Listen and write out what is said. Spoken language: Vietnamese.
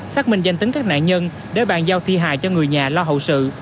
xác minh danh tính các nạn nhân để bàn giao thi hài cho người nhà lo hậu sự